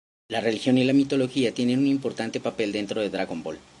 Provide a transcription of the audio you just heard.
La religión y la mitología tienen un importante papel dentro de "Dragon Ball".